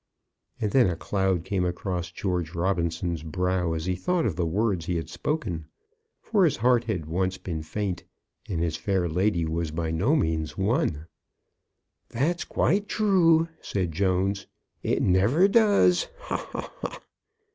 And then a cloud came across George Robinson's brow as he thought of the words he had spoken; for his heart had once been faint, and his fair lady was by no means won. "That's quite true," said Jones; "it never does. Ha! ha! ha!"